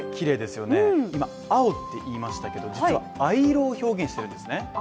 青って言いましたけど実は藍色を表現してるんですね。